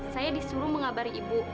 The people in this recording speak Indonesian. saya disuruh mengabari ibu